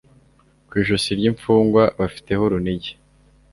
Ku ijosi ryimfungwa bafiteho urunigi